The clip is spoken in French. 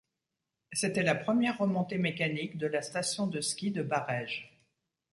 C'était la première remontée mécanique de la station de ski de Barèges.